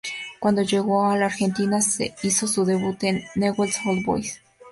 Cuando llegó a la Argentina, hizo su debut en Newell's Old Boys.